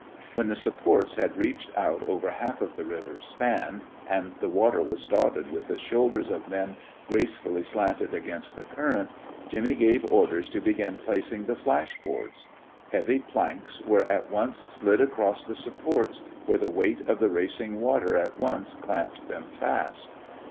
When the supports had reached out over half of the river's span, and the water was dotted with the shoulders of men gracefully slanted against the current, Jimmy gave orders to begin placing the flash boards. Heavy planks were at once slid across the supports, where the weight of the racing water at once clamped them fast.